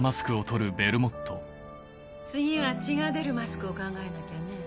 次は血が出るマスクを考えなきゃね。